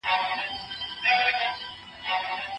آيا د مطالعې تنده په ځوانانو کي سته؟